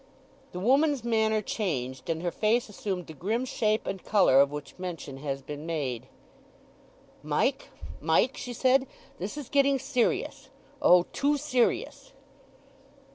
The woman's manner changed, and her face assumed the grim shape and colour of which mention has been made. "Mike, Mike," she said; "this is getting serious. O!—too serious!"